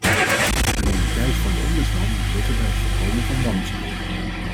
De prioriteit van de ombudsman moet liggen bij het voorkomen van wanbestuur.